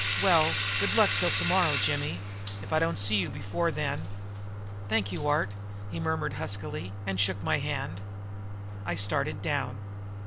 "Well, good luck till tomorrow, Jimmy, if I don't see you before then." "Thank you, Art," he murmured huskily and shook my hand. I started down.